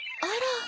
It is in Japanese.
あら。